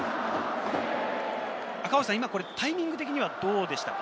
今、タイミング的にはどうでしたか？